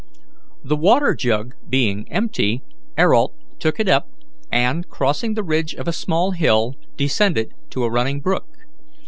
The water jug being empty, Ayrault took it up, and, crossing the ridge of a small hill, descended to a running brook.